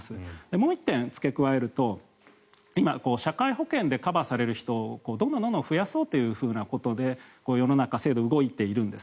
もう１点、付け加えると社会保険でカバーされる人をどんどん増やそうということで世の中、制度は動いているんです。